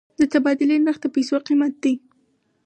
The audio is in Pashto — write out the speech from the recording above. د تبادلې نرخ د پیسو قیمت دی.